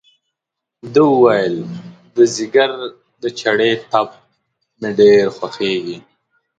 ده وویل د ځګر د چړې ټپ مې ډېر خوږېږي.